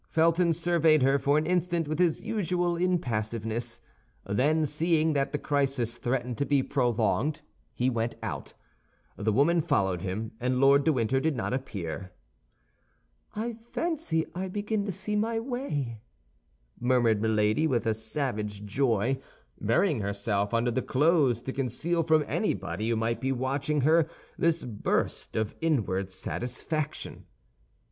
Felton surveyed her for an instant with his usual impassiveness; then, seeing that the crisis threatened to be prolonged, he went out. The woman followed him, and Lord de Winter did not appear. "I fancy I begin to see my way," murmured Milady, with a savage joy, burying herself under the clothes to conceal from anybody who might be watching her this burst of inward satisfaction.